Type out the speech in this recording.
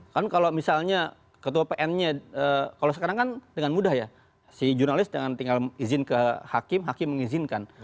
kan kalau misalnya ketua pn nya kalau sekarang kan dengan mudah ya si jurnalis tinggal izin ke hakim hakim mengizinkan